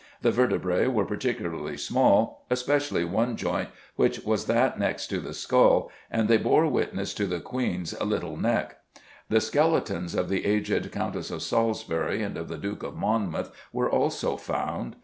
The vertebræ were particularly small, especially one joint, which was that next to the skull, and they bore witness to the Queen's 'lyttel neck.'" The skeletons of the aged Countess of Salisbury and of the Duke of Monmouth were also found.